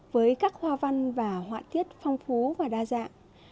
với các hoa văn và họa tiết phong phú và đa dạng